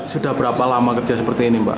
sudah berapa lama kerja seperti ini mbak